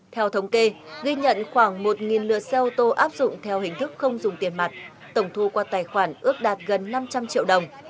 theo thống kê ghi nhận khoảng một lượt xe ô tô áp dụng theo hình thức không dùng tiền mặt tổng thu qua tài khoản ước đạt gần năm trăm linh triệu đồng